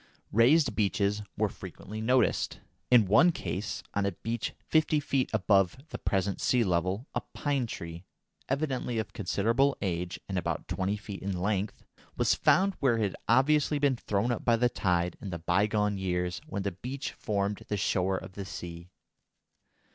Raised beaches were frequently noticed. In one case, on a beach fifty feet above the present sea level, a pine tree, evidently of considerable age and about twenty feet in length, was found where it had obviously been thrown up by the tide in the bygone years when the beach formed the shore of the sea.